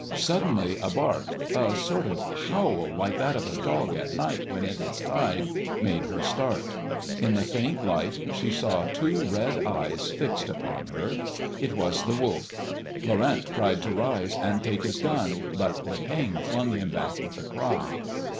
Suddenly a bark a sort of howl like that of a dog at night when it is tied made her start. In the faint light she saw two red eyes fixed upon her. It was the wolf. Laurent tried to rise and take his gun, but the pain flung him back with a cry.